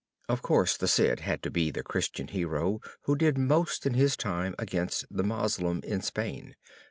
Of course the Cid had to be the Christian hero who did most in his time against the Moslem in Spain.